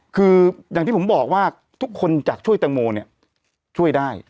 คืออย่างที่ผมบอกว่าทุกคนอยากช่วยแตงโมเนี่ยช่วยได้